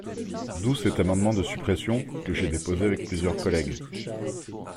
D’où cet amendement de suppression, que j’ai déposé avec plusieurs collègues.